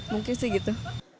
mungkin sih gitu